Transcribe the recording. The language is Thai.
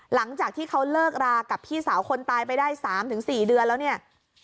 หลังจากที่เขาเลิกรากับพี่สาวคนตายไปได้๓๔เดือนแล้วเนี่ย